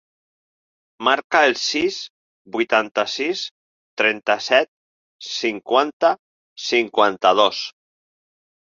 Marca el sis, vuitanta-sis, trenta-set, cinquanta, cinquanta-dos.